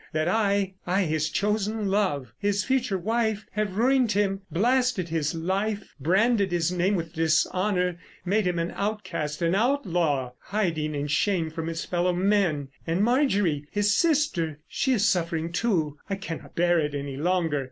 That I—I, his chosen love, his future wife, have ruined him, blasted his life, branded his name with dishonour, made him an outcast, an outlaw, hiding in shame from his fellow men. And Marjorie, his sister, she is suffering, too. I cannot bear it any longer.